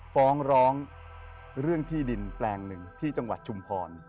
ฟ้องร้องเรื่องที่ดินแปลงหนึ่งที่จังหวัดชุมพร